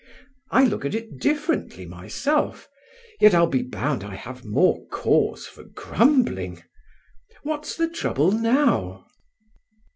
I look at it differently myself; yet I'll be bound I have more cause for grumbling. What's the trouble now?"